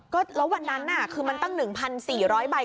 ก็ระหว่างนั้นคือมันตั้ง๑๔๐๐ใบ